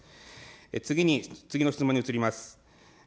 次に、次の質問に移ります。